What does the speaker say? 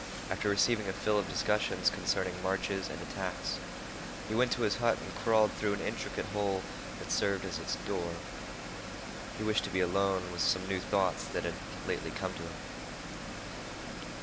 After receiving a fill of discussions concerning marches and attacks, he went to his hut and crawled through an intricate hole that served it as a door. He wished to be alone with some new thoughts that had lately come to him.